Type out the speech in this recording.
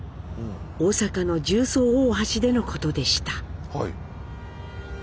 大阪の十三大橋でのことでした。